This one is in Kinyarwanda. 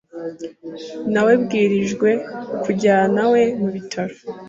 Nawebwirijwe kujyanawe mu bitaro.